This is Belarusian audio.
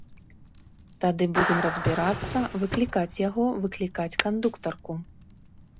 Тады будзем разбірацца, выклікаць яго, выклікаць кандуктарку.